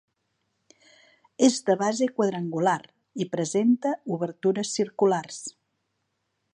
És de base quadrangular i presenta obertures circulars.